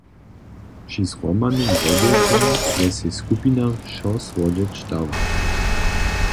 Při zhromadnym wobjedźe je sej skupina wšo słodźeć dała.